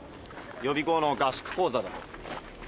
予備校の合宿講座だと。